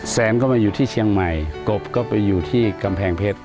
แซมก็มาอยู่ที่เชียงใหม่กบก็ไปอยู่ที่กำแพงเพชร